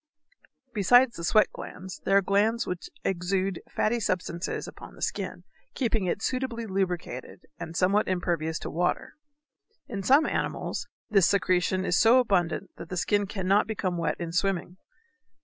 Besides the sweat glands there are glands which exude fatty substances upon the skin, keeping it suitably lubricated and somewhat impervious to water. In some animals this secretion is so abundant that the skin cannot become wet in swimming.